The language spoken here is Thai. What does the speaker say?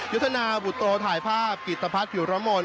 ยุทธนาบุตโตถ่ายภาพกิตภัทรผิวรมน